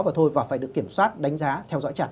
và thôi và phải được kiểm soát đánh giá theo dõi chặt